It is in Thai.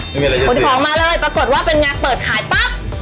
คนที่ขอมาเลยปรากฏว่าเป็นงานเปิดข่ายปั๊บ